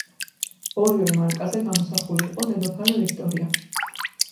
ორივე მარკაზე გამოსახული იყო დედოფალი ვიქტორია.